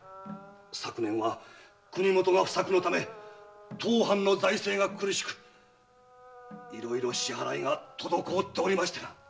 昨年は国もとが不作のため当藩の財政が苦しくいろいろ支払いが滞っておりましてな。